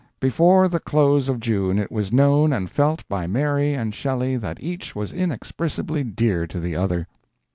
"Before the close of June it was known and felt by Mary and Shelley that each was inexpressibly dear to the other."